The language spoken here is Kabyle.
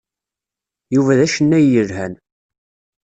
Yuba d acennay yelhan.